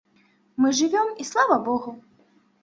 Мы жывём і слава богу.